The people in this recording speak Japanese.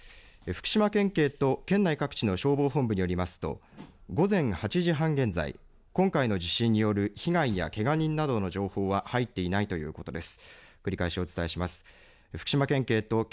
福島県警と県内各地の消防本部によりますと午前８時半現在、今回の地震による被害やけが人などの情報は入っていないということです。